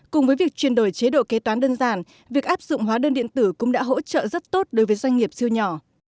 cùng với việc chuyển đổi chế độ kế toán đơn giản việc áp dụng hóa đơn điện tử cũng đã hỗ trợ rất tốt đối với doanh nghiệp siêu nhỏ